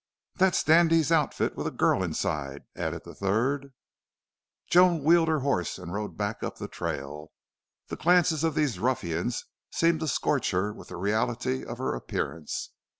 "Thet's Dandy's outfit with a girl inside," added the third. Joan wheeled her horse and rode back up the trail. The glances of these ruffians seemed to scorch her with the reality of her appearance.